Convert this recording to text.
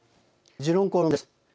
「時論公論」です。